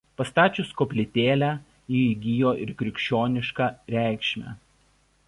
Pastačius koplytėlę ji įgijo ir krikščionišką reikšmę.